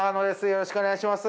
よろしくお願いします。